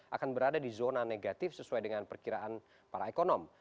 akan berada di zona negatif sesuai dengan perkiraan para ekonom